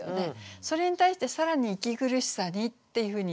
それに対して更に「息苦しさに」っていうふうに言ってる。